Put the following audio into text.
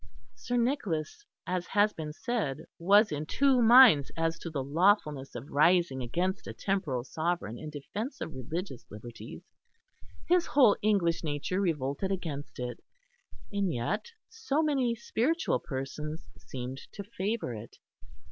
Sir Nicholas, as has been said, was in two minds as to the lawfulness of rising against a temporal sovereign in defence of religious liberties. His whole English nature revolted against it, and yet so many spiritual persons seemed to favour it.